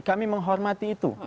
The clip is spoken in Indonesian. kami menghormati itu